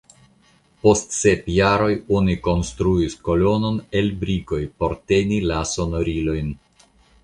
Post sep jaroj oni konstruis kolonon el brikoj por teni la sonorilojn.